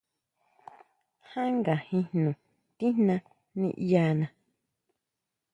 Ján ngajin jno tijna niʼyana.